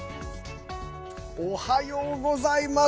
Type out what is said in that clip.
おはようございます。